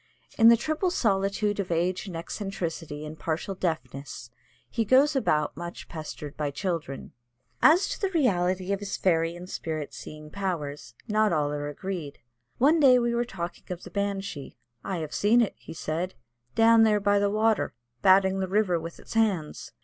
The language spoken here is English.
In the triple solitude of age and eccentricity and partial deafness he goes about much pestered by children. As to the reality of his fairy and spirit seeing powers, not all are agreed. One day we were talking of the Banshee. "I have seen it," he said, "down there by the water 'batting' the river with its hands."